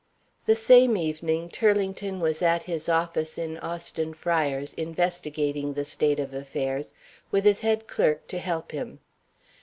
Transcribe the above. The same evening Turlington was at his office in Austin Friars, investigating the state of affairs, with his head clerk to help him.